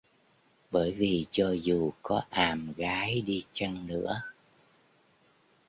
Bởi vì cho dù có àm gái đi chăng nữa